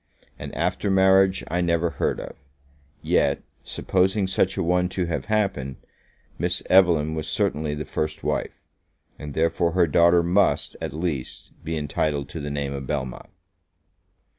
An after marriage I never heard of; yet, supposing such a one to have happened, Miss Evelyn was certainly the first wife, and therefore her daughter must, at least, be entitled to the name of Belmont.